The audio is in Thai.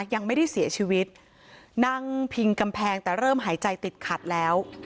ยังไม่ได้เสียชีวิตนั่งพิงกำแพงแต่เริ่มหายใจติดขัดแล้ว